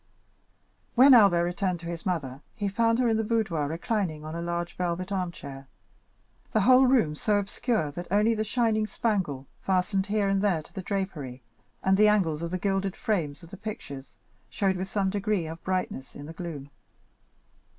When Albert returned to his mother, he found her in the boudoir reclining in a large velvet armchair, the whole room so obscure that only the shining spangle, fastened here and there to the drapery, and the angles of the gilded frames of the pictures, showed with some degree of brightness in the gloom.